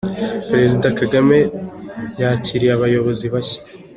Perezida Kagame yakiriye abayobozi bashya